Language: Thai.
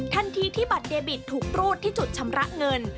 ทันทีที่บัตรเดบิตถูกรูดที่จุดชำระเงิน